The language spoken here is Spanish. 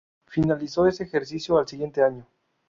Finalizó ese ejercicio el año siguiente.